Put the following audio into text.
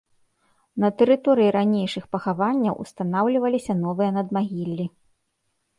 На тэрыторыі ранейшых пахаванняў устанаўліваліся новыя надмагіллі.